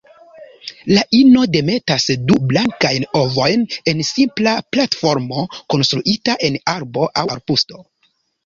La ino demetas du blankajn ovojn en simpla platformo konstruita en arbo aŭ arbusto.